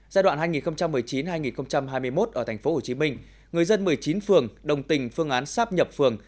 giai đoạn hai nghìn một mươi chín hai nghìn hai mươi một ở tp hcm người dân một mươi chín phường đồng tình phương án sắp nhập phường